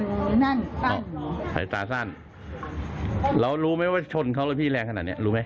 รู้อยู่ชนแต่ว่าพี่ไม่รู้ว่าชนขนาดไหน